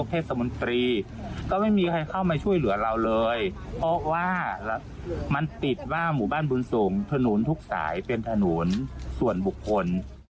เพราะว่ามันติดว่าหมู่บ้านบุญสงศ์ถนูนทุกสายเป็นถนูนส่วนบุคคล